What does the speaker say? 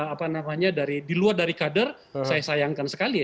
apa namanya di luar dari kader saya sayangkan sekali ya